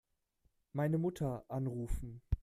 Meine Mutter anrufen.